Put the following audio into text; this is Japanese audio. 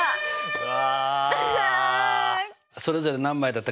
うわ！